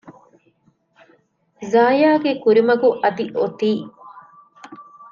ޒާޔާގެ ކުރިމަގު އަދި އޮތީ